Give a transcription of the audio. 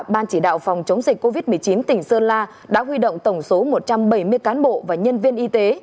ban chỉ đạo phòng chống dịch covid một mươi chín tỉnh sơn la đã huy động tổng số một trăm bảy mươi cán bộ và nhân viên y tế